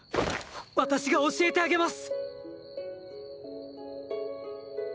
私が教えてあげます！